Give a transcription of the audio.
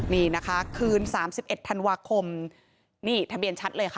นี่นะคะคืน๓๑ธันวาคมนี่ทะเบียนชัดเลยค่ะ